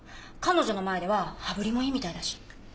彼女の前では羽振りもいいみたいだし。